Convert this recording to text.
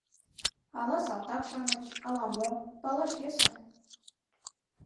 Ала салтак-шамыч, ала-мо — палаш йӧсӧ.